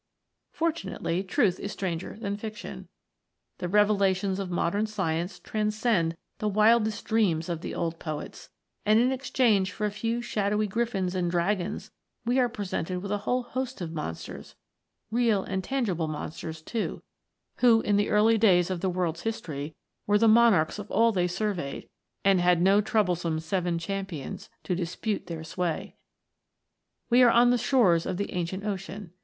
Fortunately truth is stranger than fiction ; the revelations of modern science transcend the wildest dreams of the old poets ; and in exchange for a few shadowy griffins and dragons, we are presented with a whole host of monsters, real and tangible monsters too, who in the early days of the world's B 2 4 THE AGE OF MONSTERS. history were the monarchs of all they surveyed, and had no troublesome Seven Champions to dis pute their sway. We are on the shores of the Ancient Ocean.